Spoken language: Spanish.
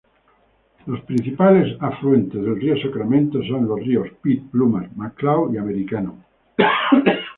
Los principales afluentes del río Sacramento son los ríos Pit, Plumas, McCloud y Americano.